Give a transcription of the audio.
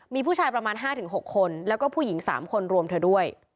มีผู้ชายประมาณ๕๖คนแล้วก็ผู้หญิง๓คนรวมเธอด้วย